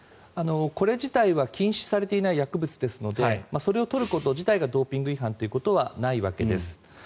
これ自体は禁止されていない薬物ですのでそれを取ること自体がドーピング違反ということはないわけです。